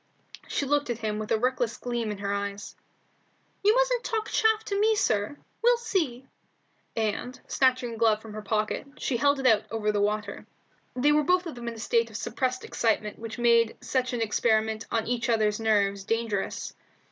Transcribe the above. She looked at him with a reckless gleam in her eyes. "You mustn't talk chaff to me, sir; we'll see," and, snatching a glove from her pocket, she held it out over the water. They were both of them in that state of suppressed excitement which made such an experiment on each other's nerve dangerous.